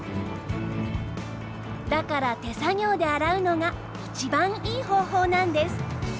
だから手作業で洗うのが一番いい方法なんです。